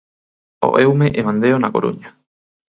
O Eume e Mandeo na Coruña.